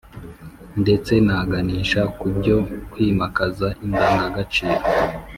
ndetse na ganisha ku byo kwimakaza indangangaciro